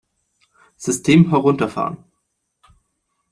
System herunterfahren!